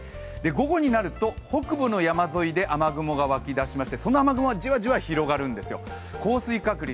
午後になると北部の山沿いで雨雲が湧き出しましてその雨雲がじわじわ広がるんですよ、降水確率